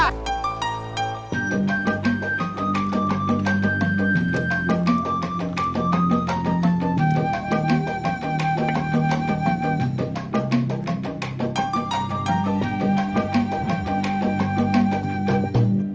gw mau ke barang